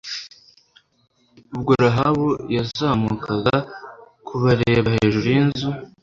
ubwo rahabu yazamukaga kubareba hejuru y'inzu